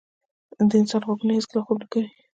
د انسان غوږونه هیڅکله خوب نه کوي.